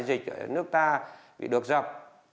và nước ta bị được dọc